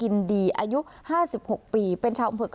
อันดับที่สุดท้าย